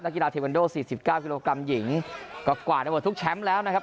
นักกีฬาเทวันโด๔๙กิโลกรัมหญิงกว่าในหมดทุกแชมป์แล้วนะครับ